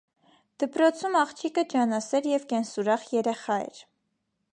Դպրոցում աղջիկը ջանասեր և կենսուրախ երեխա էր։